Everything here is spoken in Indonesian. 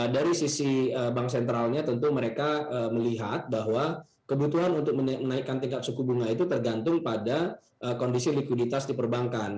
dari sisi bank sentralnya tentu mereka melihat bahwa kebutuhan untuk menaikkan tingkat suku bunga itu tergantung pada kondisi likuiditas di perbankan